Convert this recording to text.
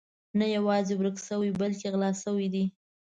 نه یوازې ورک شوي بلکې غلا شوي دي.